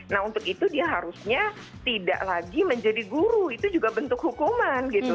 nah untuk itu dia harusnya tidak lagi menjadi guru itu juga bentuk hukuman gitu